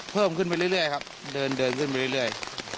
เพิ่มขึ้นไปเรื่อยครับเดินขึ้นไปเรื่อย